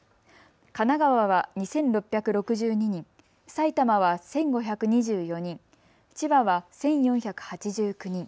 神奈川は２６６２人、埼玉は１５２４人、千葉は１４８９人。